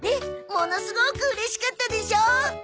ものすごくうれしかったでしょ？